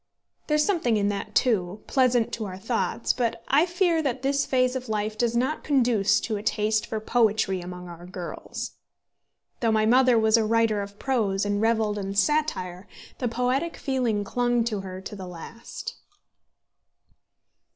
There is something in that, too, pleasant to our thoughts, but I fear that this phase of life does not conduce to a taste for poetry among our girls. Though my mother was a writer of prose, and revelled in satire, the poetic feeling clung to her to the last.